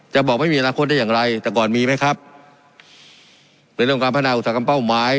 จะบอกไม่มีอนาคตได้อย่างไรแต่ก่อนมีไหมครับเป็นเรื่องการพัฒนาอุตสาหกรรมเป้าหมาย